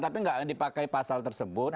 tapi nggak dipakai pasal tersebut